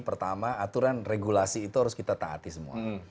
pertama aturan regulasi itu harus kita taati semua